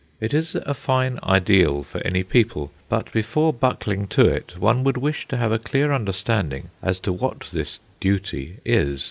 It is a fine ideal for any people; but before buckling to it, one would wish to have a clear understanding as to what this "duty" is.